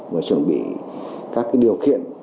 vừa chuẩn bị các điều kiện